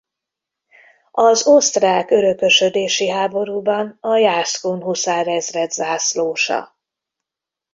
Az osztrák örökösödési háborúban a jászkun huszárezred zászlósa.